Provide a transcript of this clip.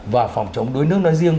và phòng chống đối nước nói riêng